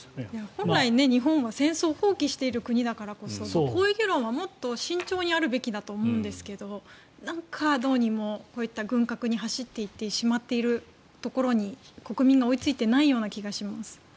本来日本は戦争を放棄している国だからこそこういう議論はもっと慎重にするべきだと思うんですがなんかどうにもこういった軍拡に走ってしまっているところに国民が追いついていないような気がします。